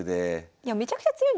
いやめちゃくちゃ強いんですよね。